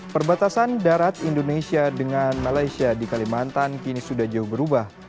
perbatasan darat indonesia dengan malaysia di kalimantan kini sudah jauh berubah